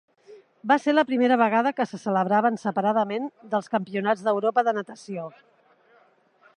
Va ser la primera vegada que se celebraven separadament dels Campionats d'Europa de natació.